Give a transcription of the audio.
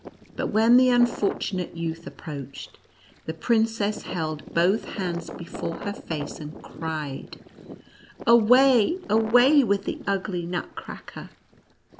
But when the unfortunate youth approached, the princess held both hands before her face, and cried, "Away, away with the ugly Nutcracker